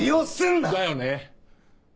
だよね。